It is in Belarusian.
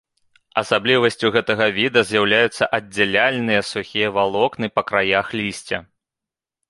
Асаблівасцю гэтага віду з'яўляюцца аддзяляльныя сухія валокны па краях лісця.